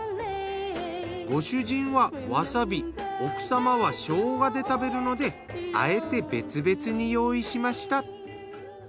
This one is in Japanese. ご主人はワサビ奥様は生姜で食べるのであえて別々に用意しました。